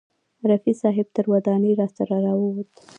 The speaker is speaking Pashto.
رفیع صاحب تر ودانۍ راسره راوووت.